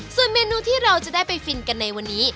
ส่วนเมนูที่เราจะได้ไปฟินกันในวันนี้